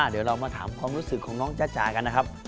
เดี๋ยวเรามาถามความรู้สึกของน้องจ้าจ๋ากันนะครับ